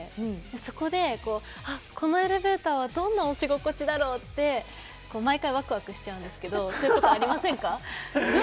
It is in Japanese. そこで、このエレベーターはどんな押し心地だろう？って毎回ワクワクしちゃうんですけどそういうことありませんか？